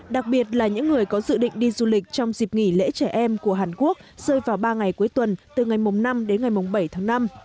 đặc biệt là những người có dự định đi du lịch trong dịp nghỉ lễ trẻ em của hàn quốc rơi vào ba ngày cuối tuần từ ngày năm đến ngày bảy tháng năm